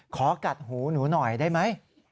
ขอกัดหูหนูหน่อยได้ไหม